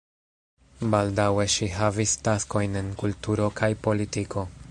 Baldaŭe ŝi havis taskojn en kulturo kaj politiko.